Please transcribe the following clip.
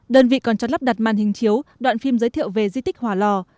đơn vị còn cho lắp đặt màn hình chiếu đoạn phim giới thiệu về di tích hòa lò